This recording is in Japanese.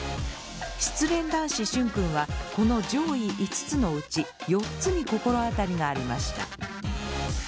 失恋男子シュンくんはこの上位５つのうち４つに心当たりがありました。